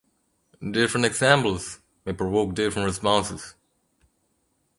Different examples may provoke different responses.